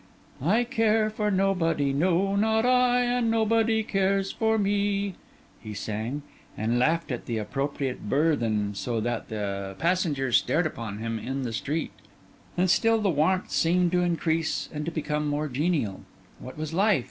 I care for nobody, no, not I, And nobody cares for me, he sang, and laughed at the appropriate burthen, so that the passengers stared upon him on the street. And still the warmth seemed to increase and to become more genial. What was life?